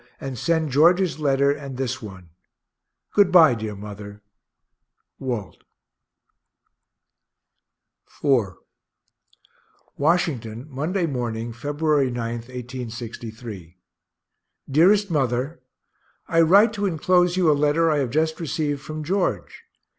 and send George's letter and this one. Good bye, dear mother. WALT. IV Washington, Monday morning, Feb. 9, 1863. DEAREST MOTHER I write to enclose you a letter I have just received from George.